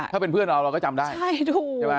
ถ้าเป็นเพื่อนเราก็จำได้ใช่ถูก